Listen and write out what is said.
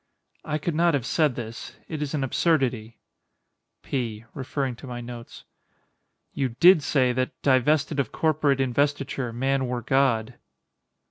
_] I could not have said this; it is an absurdity. P. [Referring to my notes.] You did say that "divested of corporate investiture man were God."